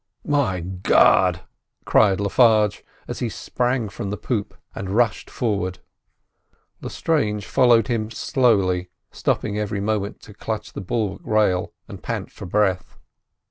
"My God!" cried Le Farge, as he sprang from the poop and rushed forward. Lestrange followed him slowly, stopping every moment to clutch the bulwark rail and pant for breath.